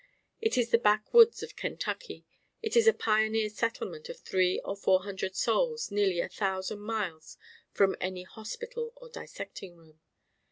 It is the backwoods of Kentucky, it is a pioneer settlement of three or four hundred souls, nearly a thousand miles from any hospital or dissecting room.